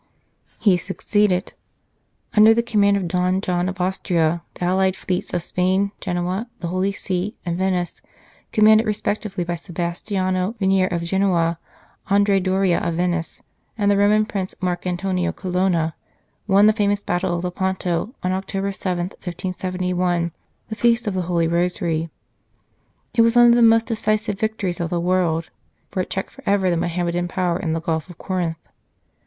He succeeded. Under the command of Don John of Austria, the allied fleets of Spain, Genoa, the Holy See, and Venice, commanded respectively by Sebastiano Venier of Genoa, Andrea Doria of Venice, and the Roman Prince Marc Antonio Colonna, won the famous Battle of Lepanto on October 7, 1571, the Feast of the Holy Rosary. It was one of the most decisive victories of the world, for it checked for ever the Mohammedan power in the Gulf of Corinth.